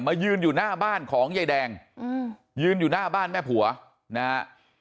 ยืนอยู่หน้าบ้านของยายแดงยืนอยู่หน้าบ้านแม่ผัวนะฮะ